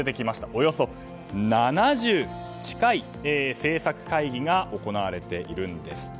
およそ７０近い政策会議が行われているんです。